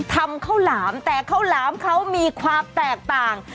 ทำข้าวหลามแต่ข้าวหลามเขามีความแตกต่าง